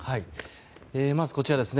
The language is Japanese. まず、こちらです。